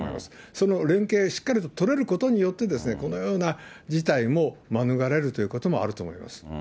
その連携しっかりと取れることによって、このような事態も免れるということもあると思います。